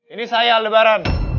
ini saya aldebaran